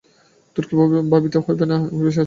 তোর আর ভাবিতে হইবে না, আমি বেশ আছি।